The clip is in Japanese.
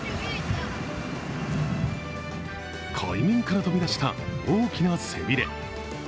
海面から飛び出した大きな背びれ。